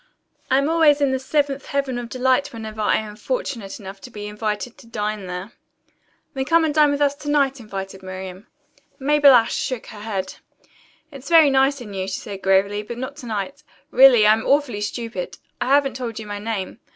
"I am always in the seventh heaven of delight whenever I am fortunate enough to be invited to dine there." "Then come and dine with us to night," invited Miriam. Mabel Ashe shook her head. "It's very nice in you," she said gravely, "but not to night. Really, I am awfully stupid. I haven't told you my name.